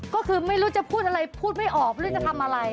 ก็คือไม่รู้จะพูดอะไรพูดไม่ออกไม่รู้จะทำอะไร